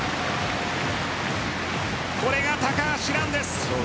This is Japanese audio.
これが高橋藍です。